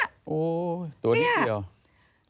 โอ้โหตัวนิดเดียว